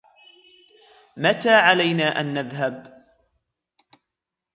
متى علينا أن نذهب ؟